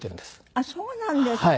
あっそうなんですか。